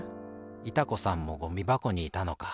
いた子さんもゴミばこにいたのか。